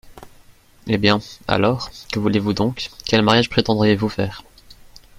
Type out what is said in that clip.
Eh bien, alors, que voulez-vous donc ? quel mariage prétendriez-vous faire ?